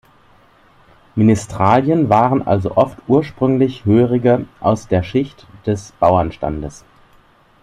Ministerialen waren also oft ursprünglich Hörige aus der Schicht des Bauernstandes.